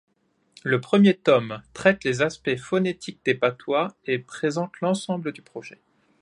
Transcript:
Le premier tome traite les aspects phonétiques des patois et présente l'ensemble du projet.